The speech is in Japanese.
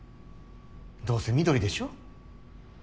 どうせ緑でしょう。